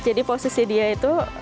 jadi posisi dia itu